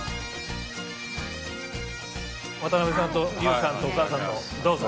渡辺さんと優さんとお母さんとどうぞ。